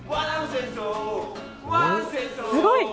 すごい。